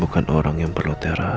bukan orang yang perlu terapi